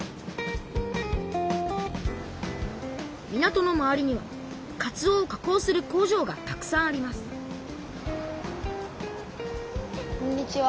港の周りにはかつおを加工する工場がたくさんありますこんにちは。